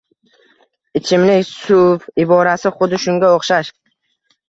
Ichimlik suv iborasi xuddi shunga oʻxshash